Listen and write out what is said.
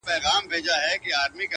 د انسانانو جهالت له موجه، اوج ته تللی،